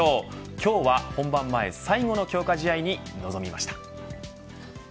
今日は本番前最後の強化試合に臨みました。